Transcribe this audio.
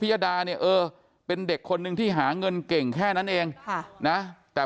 ยดาเนี่ยเออเป็นเด็กคนนึงที่หาเงินเก่งแค่นั้นเองนะแต่